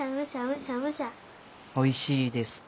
おいしいですか？